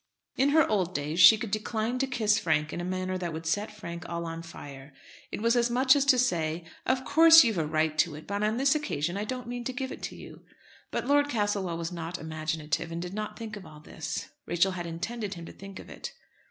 In old days she could decline to kiss Frank in a manner that would set Frank all on fire. It was as much as to say of course you've a right to it, but on this occasion I don't mean to give it to you. But Lord Castlewell was not imaginative, and did not think of all this. Rachel had intended him to think of it.